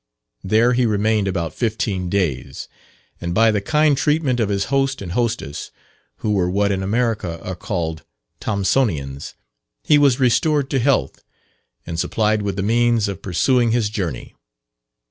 There he remained about fifteen days, and by the kind treatment of his host and hostess, who were what in America are called "Thompsonians," he was restored to health, and supplied with the means of pursuing his journey.